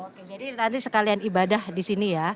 oke jadi nanti sekalian ibadah disini ya